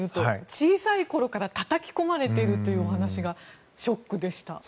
小さい頃からたたき込まれているというお話がショックでした。